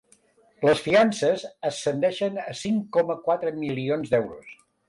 Les fiances ascendeixen a cinc coma quatre milions d’euros.